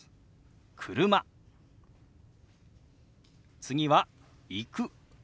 次は「行く」。